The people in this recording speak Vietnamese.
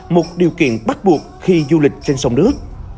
một điều kiện bắt buộc khi du lịch trên sông nước